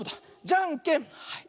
じゃんけんはい。